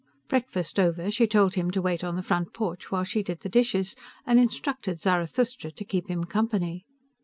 Breakfast over, she told him to wait on the front porch while she did the dishes, and instructed Zarathustra to keep him company.